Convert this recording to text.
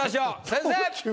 先生！